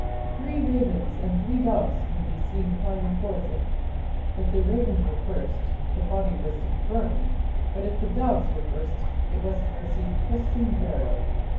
"Three ravens and three doves would be seen flying towards it. If the ravens were first the body was to be burned, but if the doves were first it was to receive Christian burial.